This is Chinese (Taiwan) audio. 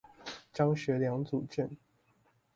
張學良主政